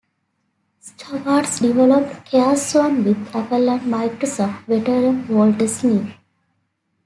Schwartz developed CareZone with Apple and Microsoft veteran Walter Smith.